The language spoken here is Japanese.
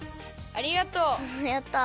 ありがとう。